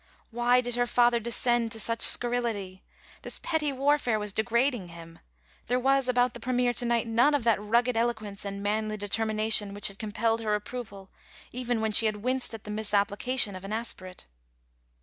Why did her father descend to such scurrility ? This petty warfare was degrading him. There was about the Premier to night none of that rugged eloquence and manly determination which had compelled her approval, even when she had winced at the misappli cation of an aspirate.